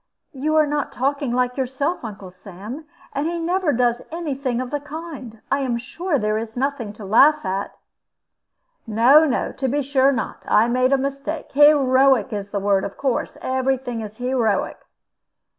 "You are not talking like yourself, Uncle Sam. And he never does any thing of the kind. I am sure there is nothing to laugh at." "No, no; to be sure not. I made a mistake. Heroic is the word, of course every thing is heroic."